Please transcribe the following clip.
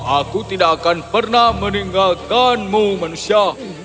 aku tidak akan pernah meninggalkanmu manusia